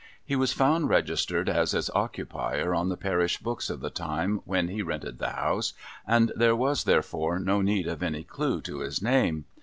He was found registered as its occupier, on the parish books of the time when he rented the House, and there was therefore no need of any clue to his name.